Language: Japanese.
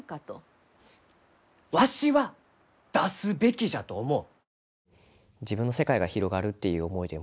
わしは出すべきじゃと思う。